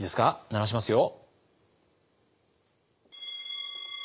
鳴らしますよ。